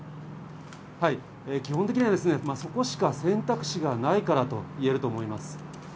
基本的には、そこしか選択肢がないからと言えると思います。